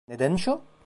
Nedenmiş o?